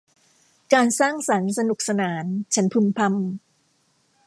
การสร้างสรรค์สนุกสนาน ฉันพึมพำ